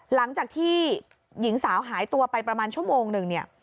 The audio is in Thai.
หลังจากที่หญิงสาวหายตัวไปประมาณชั่วโมงหนึ่งเนี่ย